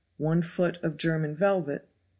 1 foot of German velvet, 4d.